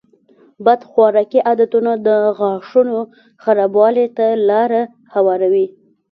بد خوراکي عادتونه د غاښونو خرابوالي ته لاره هواروي.